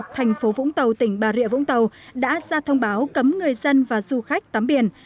thành phố vũng tàu tỉnh bà rịa vũng tàu đã ra thông báo cấm người dân và du khách tắm biển